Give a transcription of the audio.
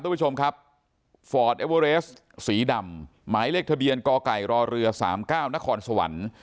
ทุกผู้ชมครับฟอร์ดเอเวอเรสสีดำหมายเลขทะเบียนกไก่รอเรือ๓๙นครสวรรค์